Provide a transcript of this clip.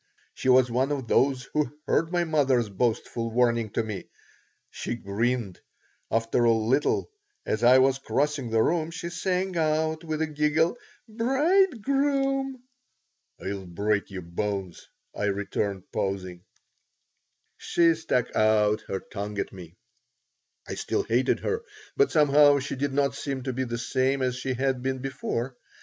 She was one of those who heard my mother's boastful warning to me. She grinned. After a little, as I was crossing the room, she sang out with a giggle: "Bridegroom!" "I'll break your bones," I returned, pausing She stuck out her tongue at me I still hated her, but, somehow, she did not seem to be the same as she had been before.